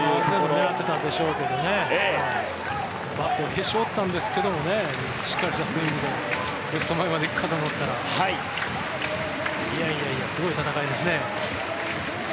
多分狙ってたでしょうけどバットをへし折ったんですけどもしっかりとしたスイングでレフト前まで行くと思ったらいやいや、すごい戦いですね。